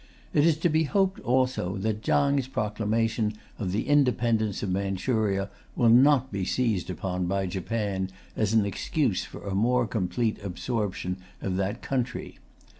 It is to be hoped also that Chang's proclamation of the independence of Manchuria will not be seized upon by Japan as an excuse for a more complete absorption of that country.